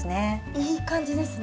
いい感じですね。